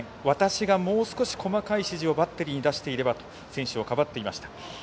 私がもう少し細かい指示をバッテリーに出していればと選手をかばっていました。